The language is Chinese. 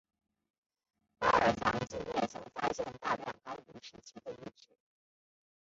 巴尔藏境内曾发现大量高卢时期的遗址。